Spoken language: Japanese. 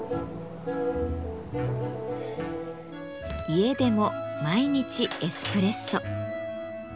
家でも毎日エスプレッソ。